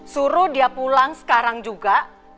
suruh dia pulang sekarang juga